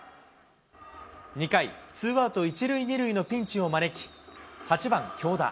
２回、ツーアウト１塁２塁のピンチを招き、８番京田。